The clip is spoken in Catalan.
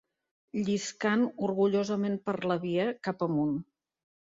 Lliscant orgullosament per la via, cap amunt